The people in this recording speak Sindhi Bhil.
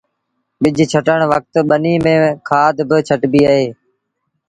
ٻج ڇٽڻ وکت ٻنيٚ ميݩ کآڌ با ڇٽبيٚ اهي